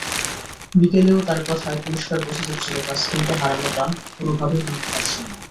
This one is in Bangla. বিকেলেও তাঁর কথায় পরিষ্কার বোঝা যাচ্ছিল, তাসকিনকে হারানোটা কোনোভাবেই মানতে পারছেন না।